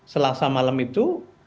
selasa malam itu